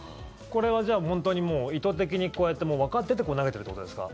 これは本当にもう意図的にこうやってわかってて投げてるってことですか？